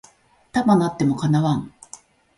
束なっても叶わん